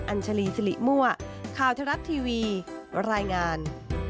ัญชาลีสิริมั่วข่าวทรัฐทีวีรายงาน